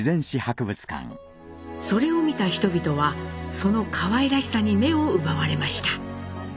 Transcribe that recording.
それを見た人々はそのかわいらしさに目を奪われました。